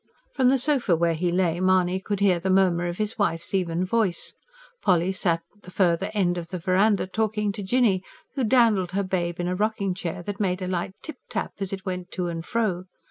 From the sofa where he lay, Mahony could hear the murmur of his wife's even voice. Polly sat the further end of the verandah talking to Jinny, who dandled her babe in a rocking chair that made a light tip tap as it went to and fro.